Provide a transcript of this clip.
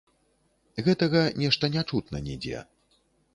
Гэтага нешта не чутна нідзе.